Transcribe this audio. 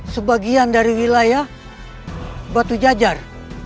sebagian dari wilayah batu jajar